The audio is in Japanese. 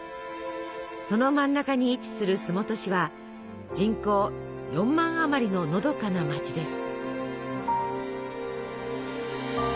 その真ん中に位置する洲本市は人口４万あまりののどかな街です。